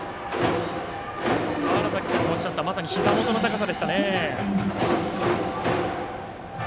川原崎さんがおっしゃったまさにひざ元の高さでしたね。